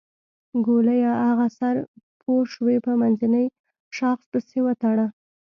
ګوليه اغه سر پوشوې په منځني شاخ پسې وتړه.